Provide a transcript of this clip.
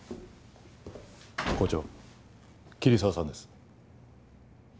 校長桐沢さんです。